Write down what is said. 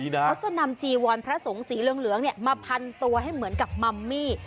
เขาจะนำจีวรพระสงฆ์สีเหลืองมาพันตัวให้เหมือนกับมัมมี่